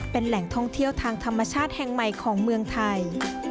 เป็นแหล่งท่องเที่ยวทางธรรมชาติแห่งใหม่ของเมืองไทย